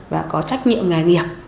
và có trách nhiệm nghề nghiệp